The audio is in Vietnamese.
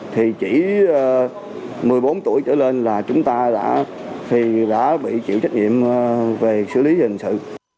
thì chỉ một mươi bốn tuổi trở lên là chúng ta đã thì đã bị chịu trách nhiệm về xử lý hình sự